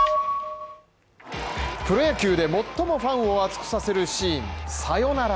プロ野球で最もファンを熱くさせるシーン、サヨナラ。